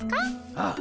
ああ。